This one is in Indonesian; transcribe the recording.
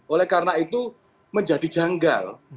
oleh karena itu menjadi janggal